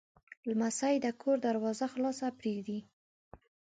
لمسی د کور دروازه خلاصه پرېږدي.